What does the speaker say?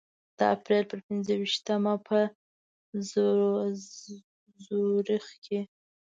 د اپریل په پنځه ویشتمه په زوریخ کې.